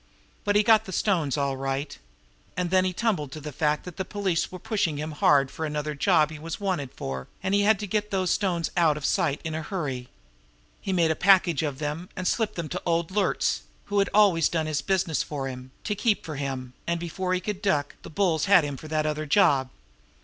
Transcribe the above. But he got the stones, all right. And then he tumbled to the fact that the police were pushing him hard for another job he was 'wanted' for, and he had to get those stones out of sight in a hurry. He made a package of them and slipped them to old Luertz, who had always done his business for him, to keep for him; and before he could duck, the bulls had him for that other job.